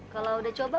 kalau udah coba